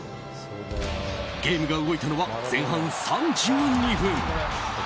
ゲームが動いたのは前半３２分。